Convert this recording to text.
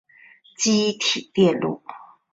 积体电路